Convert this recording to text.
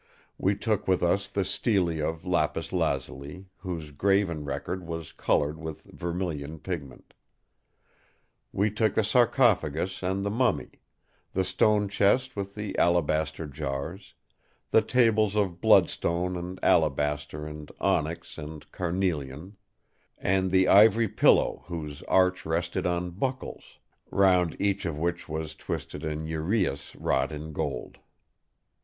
We took with us the Stele of lapis lazuli, whose graven record was coloured with vermilion pigment. We took the sarcophagus and the mummy; the stone chest with the alabaster jars; the tables of bloodstone and alabaster and onyx and carnelian; and the ivory pillow whose arch rested on 'buckles', round each of which was twisted an uraeus wrought in gold.